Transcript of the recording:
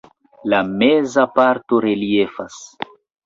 La meza parto reliefas.